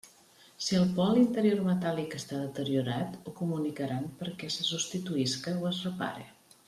Si el poal interior metàl·lic està deteriorat, ho comunicaran perquè se substituïsca o es repare.